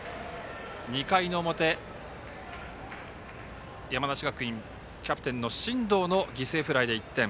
２回の表、山梨学院キャプテンの進藤の犠牲フライで１点。